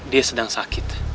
dia sedang sakit